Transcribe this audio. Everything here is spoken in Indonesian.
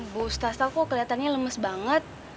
bu sdaza kok kelihatannya lemes banget